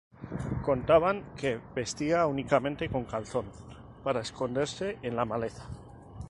Contaban que vestía únicamente con calzón, para esconderse en la maleza.